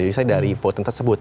jadi saya dari voting tersebut